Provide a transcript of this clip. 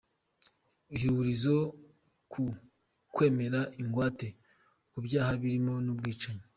Ihurizo ku kwemera ingwate ku byaha birimo n’ubwicanyi.